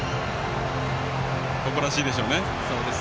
誇らしいでしょうね。